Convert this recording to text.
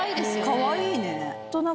かわいいね。